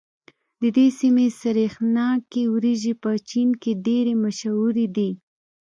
د دې سيمې سرېښناکې وريجې په چين کې ډېرې مشهورې دي.